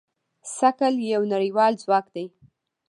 ثقل یو نړیوال ځواک دی.